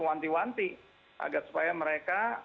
wanti wanti agar supaya mereka